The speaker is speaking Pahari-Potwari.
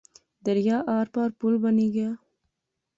دریا آر پار پل بنی گیا